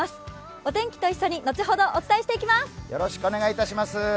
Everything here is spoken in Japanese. お天気と一緒に後ほどお伝えしていきます。